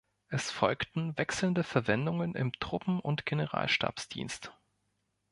Es folgten wechselnde Verwendungen im Truppen- und Generalstabsdienst.